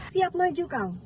siap maju kang